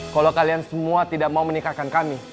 kalau kalian semua tidak mau menikahkan kami